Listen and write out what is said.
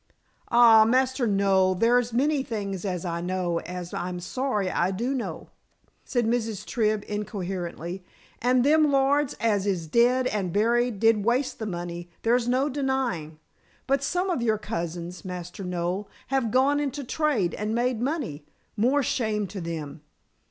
"Ah, Master Noel, there's many things as I know, as I'm sorry I do know," said Mrs. Tribb incoherently. "And them lords as is dead and buried did waste the money, there's no denying. But some of your cousins, Master Noel, have gone into trade and made money, more shame to them."